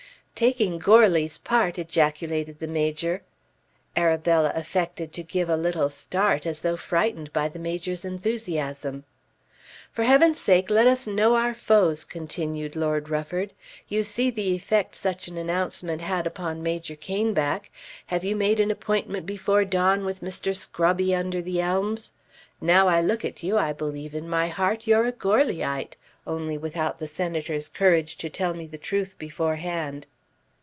"Taking Goarly's part!" ejaculated the Major. Arabella affected to give a little start, as though frightened by the Major's enthusiasm. "For heaven's sake let us know our foes," continued Lord Rufford. "You see the effect such an announcement had upon Major Caneback. Have you made an appointment before dawn with Mr. Scrobby under the elms? Now I look at you I believe in my heart you're a Goarlyite, only without the Senator's courage to tell me the truth beforehand."